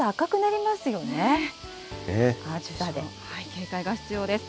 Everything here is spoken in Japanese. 警戒が必要です。